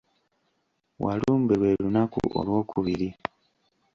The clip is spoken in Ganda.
Walumbe lwe lunaku olwokubiri.